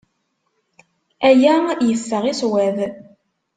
Aya yeffeɣ i ṣṣwab.